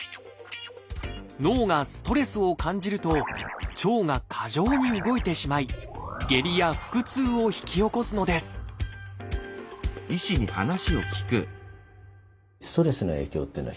脳がストレスを感じると腸が過剰に動いてしまい下痢や腹痛を引き起こすのです